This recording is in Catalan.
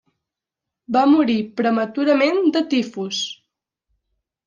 Va morir prematurament de tifus.